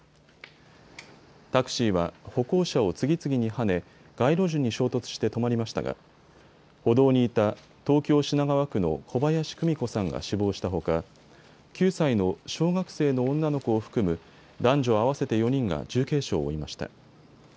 タクシーは歩行者を次々にはね、街路樹に衝突して止まりましたが歩道にいた東京品川区の小林久美子さんが死亡したほか９歳の小学生の女の子を含む男女合わせて４人が重軽傷を負いました。